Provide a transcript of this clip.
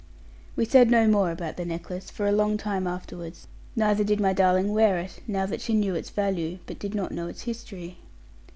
We said no more about the necklace for a long time afterwards; neither did my darling wear it, now that she knew its value, but did not know its history.